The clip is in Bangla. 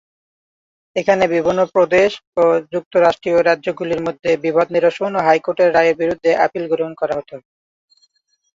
এখানে বিভিন্ন প্রদেশ ও যুক্তরাষ্ট্রীয় রাজ্যগুলির মধ্যে বিবাদ নিরসন ও হাইকোর্টের রায়ের বিরুদ্ধে আপিল গ্রহণ করা হত।